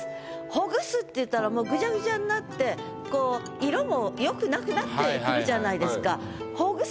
「ほぐす」っていったらもうぐちゃぐちゃになってこう色も良くなくなってくるじゃないですか。